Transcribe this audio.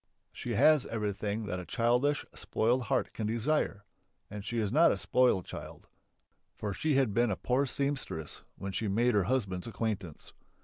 She has everything that a childish, spoiled heart can desire. And she is not a spoiled child, for she had been a poor seamstress when she made her husband's acquaintance.